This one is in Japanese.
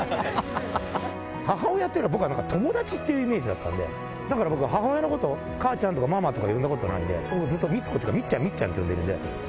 母親っていうよりは、僕は友達っていうイメージだったんで、だから僕、母親のこと、母ちゃんとか、ママとか呼んだことないんで、ずっと光子っていうか、みっちゃんみっちゃんって呼んでるんで。